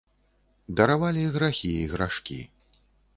Даравалі грахі і грашкі.